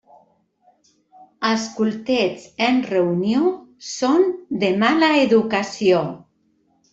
Escoltets en reunió, són de mala educació.